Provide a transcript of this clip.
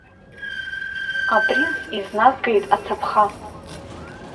Апринц изназгеит ацаԥха.